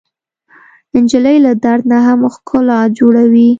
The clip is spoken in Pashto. نجلۍ له درد نه هم ښکلا جوړوي.